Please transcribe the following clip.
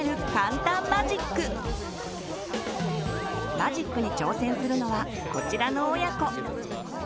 マジックに挑戦するのはこちらの親子。